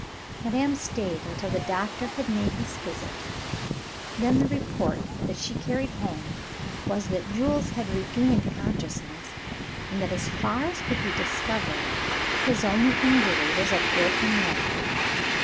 Madame stayed until the doctor had made his visit; then the report that she carried home was that Jules had regained consciousness, and that, as far as could be discovered, his only injury was a broken leg.